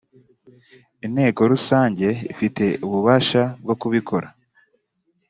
inteko rusange ifite ububasha bwo kubikora